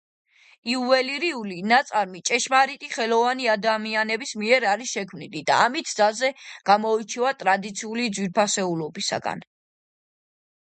იუველირული ნაწარმი ჭეშმარიტი ხელოვანი ადამიანების მიერ არის შექმნილი და ამით ძალზე გამოირჩევა ტრადიციული ძვირფასეულობისგან.